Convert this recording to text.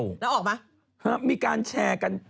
แล้วออกไหมมีการแชร์กัน